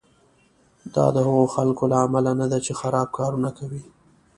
دا د هغو خلکو له امله نه ده چې خراب کارونه کوي.